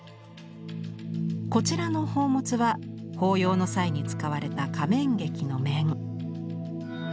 こちらの宝物は法要の際に使われた仮面劇の面。